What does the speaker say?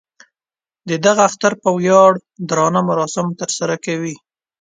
د دغه اختر په ویاړ درانه مراسم تر سره کوي.